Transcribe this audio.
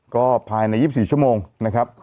ก็ภายใน๒๔ชั่วโมงนะครับ